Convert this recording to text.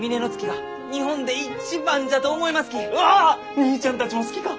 にいちゃんたちも好きか？